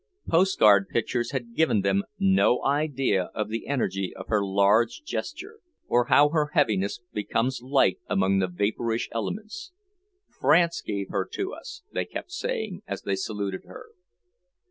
Post card pictures had given them no idea of the energy of her large gesture, or how her heaviness becomes light among the vapourish elements. "France gave her to us," they kept saying, as they saluted her.